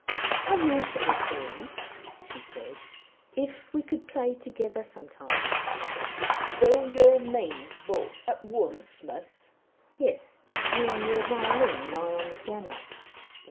"How nice it would be," she said, "if we could play together sometimes!" "Do you mean both at once, miss?" he asked. "Yes you on your violin, and I on the piano."